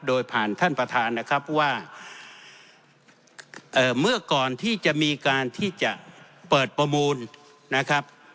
โดยผ่านท่านประธานนะครับว่าเมื่อก่อนที่จะมีการที่จะเปิดประมูลนะครับ